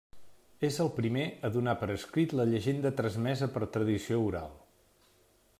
És el primer a donar per escrit la llegenda transmesa per tradició oral.